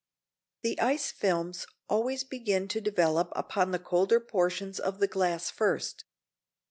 The ice films always begin to develop upon the colder portions of the glass first.